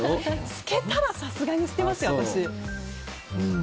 透けたらさすがに捨てますよ。